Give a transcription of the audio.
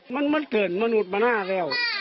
มันเกิดมนุษย์มาหน้าแล้ว